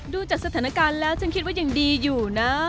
ดูจากสถานการณ์แล้วฉันคิดว่ายังดีอยู่นะ